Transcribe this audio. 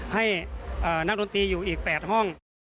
ให้นักดนตรีอยู่อีก๘ห้อง